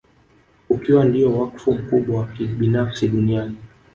Ukiwa ndio wakfu mkubwa wa kibinafsi duniani